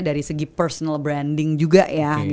dari segi personal branding juga ya